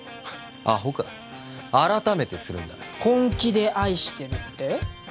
アホか改めてするんだ本気で愛してるって？